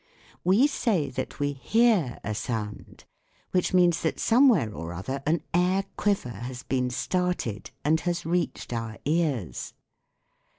We say that we hear a sound, which means that some where or other an air quiver has been started and has reached our ears.